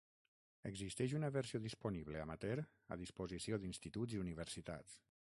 Existeix una versió disponible amateur a disposició d'instituts i universitats.